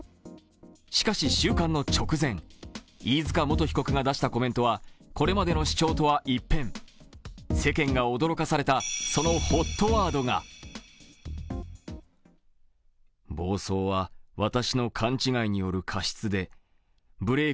しかし、収監の直前、飯塚元被告が出したコメントはこれまでの主張とは一変世間が驚かされたそのＨＯＴワードが事故後、初めて自らの過失を認めた。